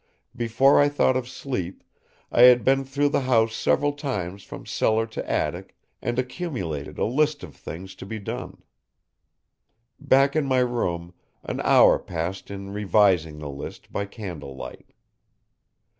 Before I thought of sleep, I had been through the house several times from cellar to attic and accumulated a list of things to be done. Back in my room, an hour passed in revising the list, by candle light.